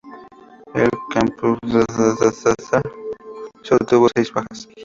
El "Kampfgruppe" solo tuvo seis bajas.